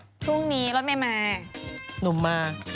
พรุ่งนี้รถเม่มา